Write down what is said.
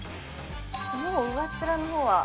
もう上っ面のほうは。